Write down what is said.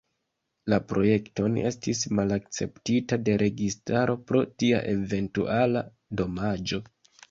La projekton estis malakceptita de registaro pro tia eventuala damaĝo.